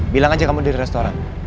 bilang aja kamu dari restoran